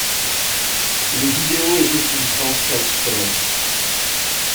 Les vidéos étaient sous licence Creative Commons.